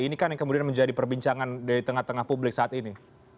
ini kan yang kemudian menjadi perbincangan di tengah tengah publik saat ini